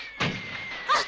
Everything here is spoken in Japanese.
あっ！